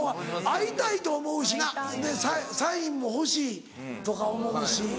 会いたいと思うしなサインも欲しいとか思うし。